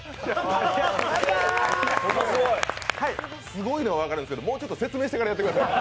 すごいのは分かるんですけどもう少し説明してからやってください。